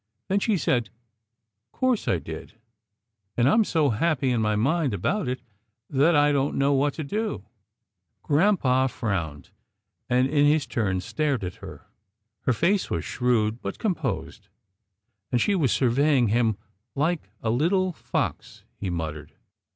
Then she said, " 'Course I did, and I'm so happy in my mind about it that I don't know what to do." Grampa frowned, and in his turn stared at her. 83 94 'TILDA JANE'S ORPHANS Her face was shrewd but composed, and she was surveying him " like a little fox," he muttered.